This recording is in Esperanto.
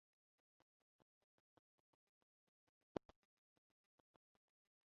Varie tradukita kaj varie interpretita.